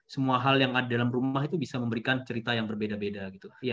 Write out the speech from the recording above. semua hal yang ada dalam rumah itu bisa memberikan cerita yang berbeda beda